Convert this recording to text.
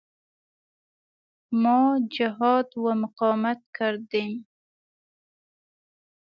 ما جهاد و مقاومت کردیم.